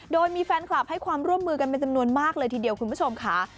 โดยมีแฟนคลับให้ความร่วมมือกันเป็นจำนวนมากเลยทีเดียวคุณผู้ชมค่ะ